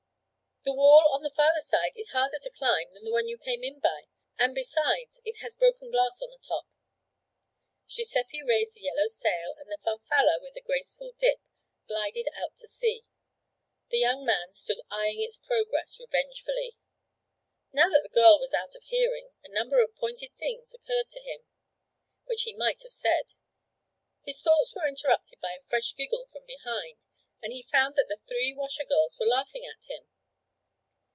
'The wall on the farther side is harder to climb than the one you came in by; and besides, it has broken glass on the top.' Giuseppe raised the yellow sail and the Farfalla, with a graceful dip, glided out to sea. The young man stood eyeing its progress revengefully. Now that the girl was out of hearing, a number of pointed things occurred to him which he might have said. His thoughts were interrupted by a fresh giggle from behind, and he found that the three washer girls were laughing at him.